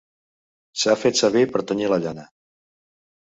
S'ha fet servir per tenyir la llana.